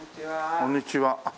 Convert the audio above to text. こんにちは。